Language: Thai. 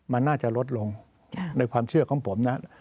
มันน่าจะลดลงในความเชื่อของผมนะ